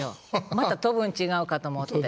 また飛ぶん違うかと思って。